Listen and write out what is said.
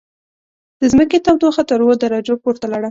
د ځمکې تودوخه تر اووه درجو پورته لاړه.